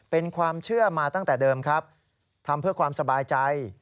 เป็นความเชื่อมาตั้งแต่เดิมครับทำเพื่อความสบายใจ